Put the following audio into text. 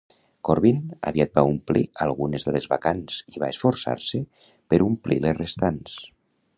Corbyn aviat va omplir algunes de les vacants i va esforçar-se per omplir les restants.